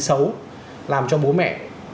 xấu làm cho bố mẹ